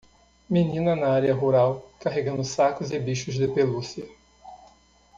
Menina na área rural? carregando sacos e bichos de pelúcia.